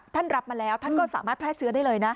รับมาแล้วท่านก็สามารถแพร่เชื้อได้เลยนะ